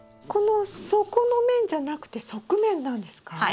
この底の面じゃなくて側面なんですか？